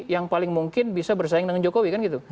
yang paling mungkin bisa bersaing dengan jokowi kan gitu